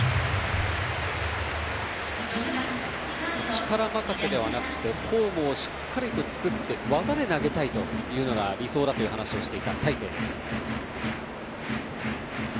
力任せではなくてフォームをしっかりと作って技で投げるというのが理想だと話していた大勢です。